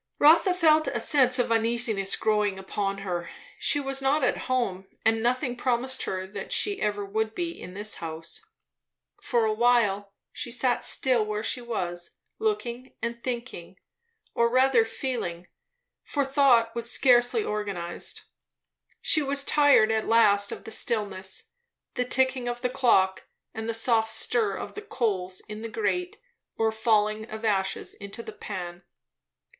Rotha felt a sense of uneasiness growing upon her. She was not at home, and nothing promised her that she ever would be, in this house. For awhile she sat still where she was, looking and thinking; or rather feeling; for thought was scarcely organized. She was tired at last of the stillness, the ticking of the clock and the soft stir of the coals in the grate or falling of ashes into the pan.